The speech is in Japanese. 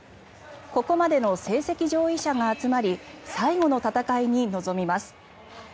ここまでの成績上位者が集まり最後の戦いに臨みます。